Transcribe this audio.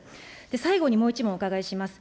最後にもう１問お伺いいたします。